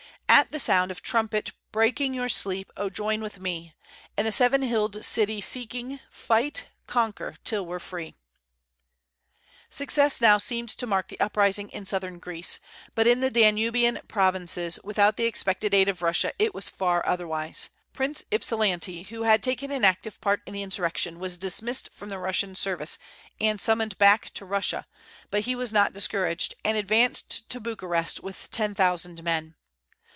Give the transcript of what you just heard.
At the sound of trumpet, breaking Your sleep, oh, join with me! And the seven hilled city seeking, Fight, conquer, till we're free!" Success now seemed to mark the uprising in Southern Greece; but in the Danubian provinces, without the expected aid of Russia, it was far otherwise. Prince Ypsilanti, who had taken an active part in the insurrection, was dismissed from the Russian service and summoned back to Russia; but he was not discouraged, and advanced to Bucharest with ten thousand men.